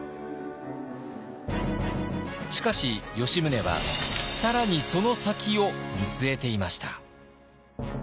しかし吉宗は更にその先を見据えていました。